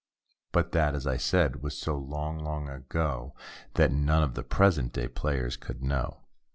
But that, as I said, was so long, long ago. That none of the present day players could know.